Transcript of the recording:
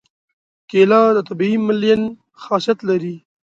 کېله د طبیعي ملین خاصیت لري.